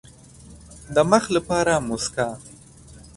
د مخ لپاره موسکا.